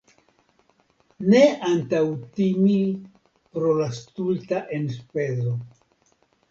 Ne antaŭtimi pro la stulta enspezo .